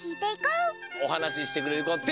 おはなししてくれるこてあげて！